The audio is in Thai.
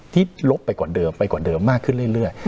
ลบไปกว่าเดิมไปกว่าเดิมมากขึ้นเรื่อย